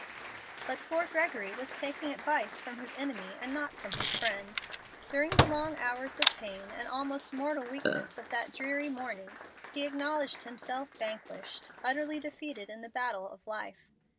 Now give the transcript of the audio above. But poor Gregory was taking advice from his enemy and not from his Friend. During the long hours of pain and almost mortal weakness of that dreary morning, he acknowledged himself vanquished utterly defeated in the battle of life.